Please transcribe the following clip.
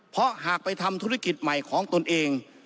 เพราะหากไปทำธุรกิจใหม่ของตนเอง